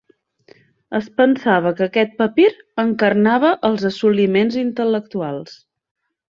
Es pensava que aquest papir encarnava els assoliments intel·lectuals.